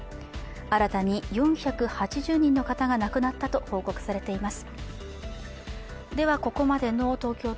新たに４８０人の方が亡くなったと報告されています。